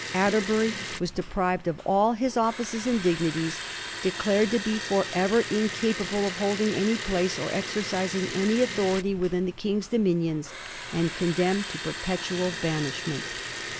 Atterbury was deprived of all his offices and dignities, declared to be for ever incapable of holding any place or exercising any authority within the King's dominions, and condemned to perpetual banishment.